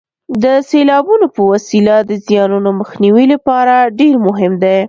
د سیلابونو په وسیله د زیانونو مخنیوي لپاره ډېر مهم دي.